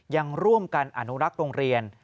ยังร่วมกันอนุรักษ์โรงเรียน